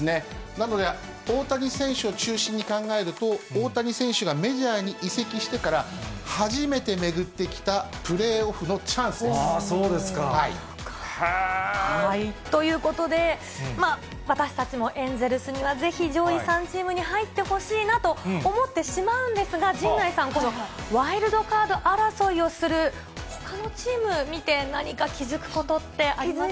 なので、大谷選手を中心に考えると、大谷選手がメジャーに移籍してから、初めて巡ってきたプレーオフそうですか。ということで、私たちもエンゼルスにはぜひ上位３チームに入ってほしいなと思ってしまうんですが、陣内さん、このワイルドカード争いをするほかのチーム見て、何か気付くことってありますか？